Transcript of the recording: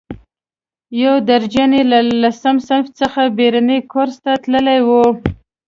یو درجن یې له لسم صنف څخه بېړني کورس ته تللي وو.